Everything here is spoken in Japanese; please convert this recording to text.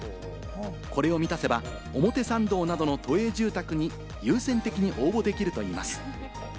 これを満たせば、表参道などの都営住宅に優先的に応募できるといいます。